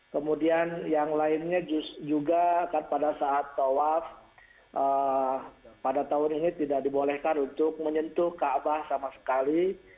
kemudian yang lainnya juga pada saat tawaf pada tahun ini tidak dibolehkan untuk menyentuh kaabah sama sekali